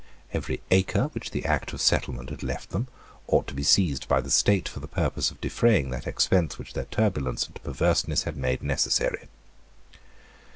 Every acre which the Act of Settlement had left them ought to be seized by the state for the purpose of defraying that expense which their turbulence and perverseness had made necessary.